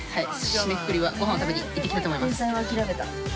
締めくくりはごはんを食べに行きたいと思います。